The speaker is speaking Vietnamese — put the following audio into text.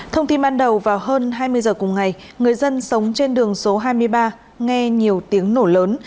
thông tin ban đầu vào hơn hai mươi giờ cùng ngày người dân sống trên đường số hai mươi ba nghe nhiều tiếng nổ lớn